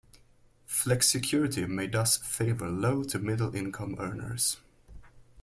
Flexicurity may thus favour low- to middle-income earners.